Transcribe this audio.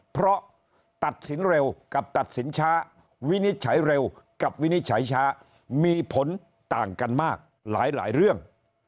เพราะตัดสินเร็วกับตัดสินช้าวินิจฉัยเร็วกับวินิจฉัยช้ามีผลต่างกันมากหลายเรื่อง